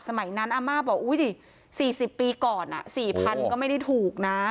สมัยนั้นอาม่าบอกอุ้ยสี่สิบปีก่อนสี่พันก็ไม่ได้ถูกนะ